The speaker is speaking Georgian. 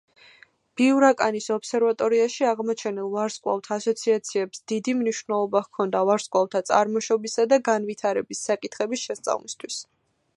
ბიურაკანის ობსერვატორიაში აღმოჩენილ ვარსკვლავთ ასოციაციებს დიდი მნიშვნელობა ჰქონდა ვარსკვლავთა წარმოშობისა და განვითარების საკითხების შესწავლისათვის.